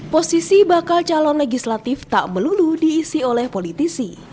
posisi bakal calon legislatif tak melulu diisi oleh politisi